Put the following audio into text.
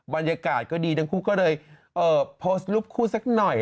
บรรยากาศก็ดีทั้งคู่ก็เลยโพสต์รูปคู่สักหน่อย